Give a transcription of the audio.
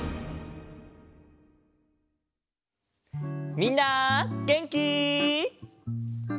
みんなげんき？